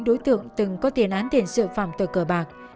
các đối tượng từng có tiền án tiền sự phạm tờ cờ bạc